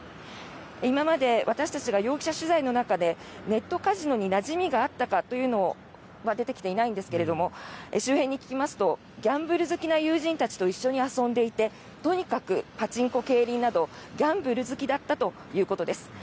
今まで私たちが容疑者取材の中でネットカジノになじみがあったかというのは出てきていないですが周辺に聞きますとギャンブル好きな友人たちと一緒に遊んでていてとにかくパチンコ、競輪などギャンブル好きだったということです。